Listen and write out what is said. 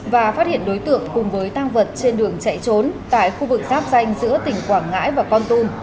và phát hiện đối tượng cùng với tăng vật trên đường chạy trốn tại khu vực giáp danh giữa tỉnh quảng ngãi và con tum